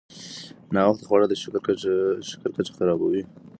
ناوخته خواړه د شکر کچه خرابوي.